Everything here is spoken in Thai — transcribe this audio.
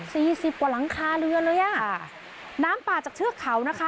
สิบกว่าหลังคาเรือนเลยอ่ะค่ะน้ำป่าจากเทือกเขานะคะ